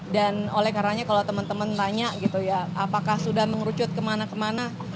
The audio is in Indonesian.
dan oleh karanya kalau teman teman tanya gitu ya apakah sudah mengerucut kemana kemana